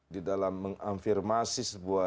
di dalam mengamfirmasi sebuah